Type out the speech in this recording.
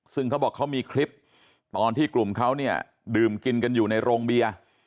ซึ่งเขาบอกเขามีคลิปตอนที่กลุ่มเขาเนี่ยดื่มกินกันอยู่ในโรงเบียร์